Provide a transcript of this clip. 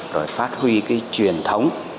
rồi phát huy cái truyền thống